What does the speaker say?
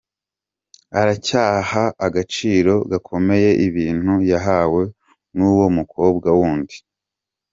Aracyaha agaciro gakomeye ibintu yahawe n’uwo mukobwa wundi.